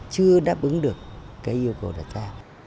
chưa đáp ứng được cái yêu cầu đặt ra